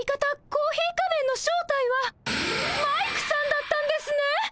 コーヒー仮面の正体はマイクさんだったんですね！